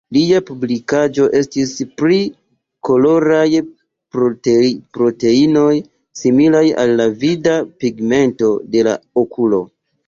Liaj publikaĵoj estis pri koloraj proteinoj similaj al la vida pigmento de la okulo.